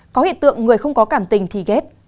có hiện tượng người không có cảm tình thì ghét